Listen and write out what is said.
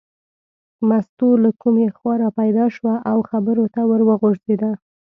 مستو له کومې خوا را پیدا شوه او خبرو ته ور وغورځېده.